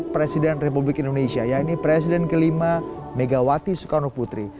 presiden republik indonesia ya ini presiden ke lima megawati soekarno putri